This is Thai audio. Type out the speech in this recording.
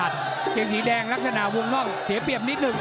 กางเกงสีแดงรักษณะวงนอกเหตยเปียบนิดนึง